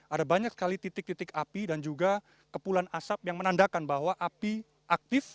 ada banyak sekali titik titik api dan juga kepulan asap yang menandakan bahwa api aktif